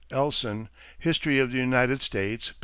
= Elson, History of the United States, pp.